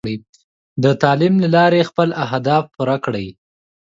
د تعلیم له لارې خپل اهداف پوره کړئ.